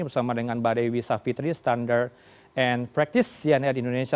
bersama dengan badewi safitri standard and practice cna di indonesia